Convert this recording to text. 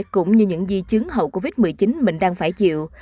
cũng như những di chứng hậu covid một mươi chín mình đang phải chịu